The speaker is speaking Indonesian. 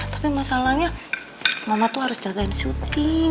tapi masalahnya mama tuh harus jagain syuting